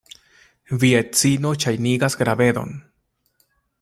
Via edzino ŝajnigas gravedon.